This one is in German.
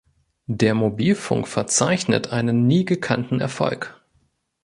Der Mobilfunk verzeichnet einen nie gekannten Erfolg.